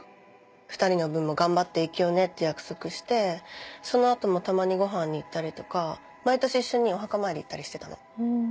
２人の分も頑張って生きようねって約束してその後もたまにごはんに行ったりとか毎年一緒にお墓参り行ったりしてたの。